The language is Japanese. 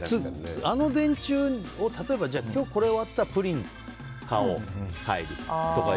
あの電柱を例えば今日これ終わったらプリン買おう、帰りにとか。